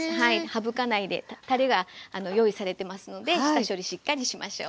省かないでたれが用意されてますので下処理しっかりしましょう。